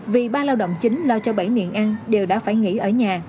vì ba lao động chính lo cho bảy miệng ăn đều đã phải nghỉ ở nhà